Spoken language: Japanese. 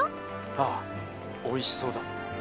ああおいしそうだ。